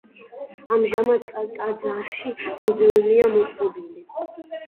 ამჟამად ტაძარში მუზეუმია მოწყობილი.